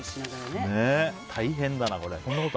大変だな、これ。